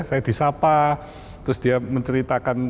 saya di sapa terus dia menceritakan